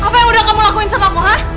apa yang udah kamu lakuin sama aku ha